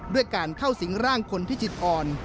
ด้วยการเข้าสิงร่างคนที่จิตอ่อน